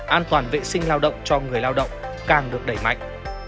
an toàn vệ sinh lao động cho người lao động càng được đẩy mạnh